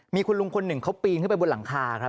มีคุณลุงคนหนึ่งเขาปีนขึ้นไปบนหลังคาครับ